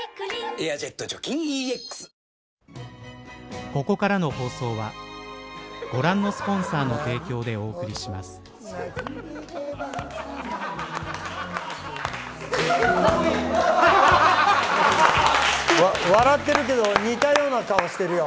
「エアジェット除菌ＥＸ」笑ってるけど似たような顔してるよ。